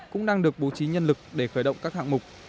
cũng đang được bố trí nhân lực để khởi động các hạng mục